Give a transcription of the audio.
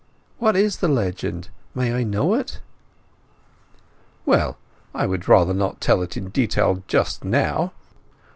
"What is the legend—may I know it?" "Well—I would rather not tell it in detail just now.